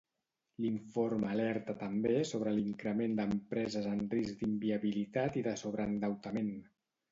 L'informe alerta també sobre l'increment d'empreses en risc d'inviabilitat i de sobreendeutament.